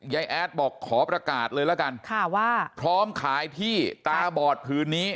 แอดบอกขอประกาศเลยละกันค่ะว่าพร้อมขายที่ตาบอดผืนนี้